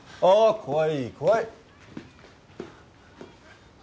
あ怖い怖い。